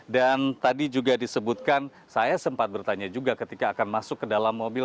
dan tadi juga disebutkan saya sempat bertanya juga ketika akan masuk ke dalam musim ini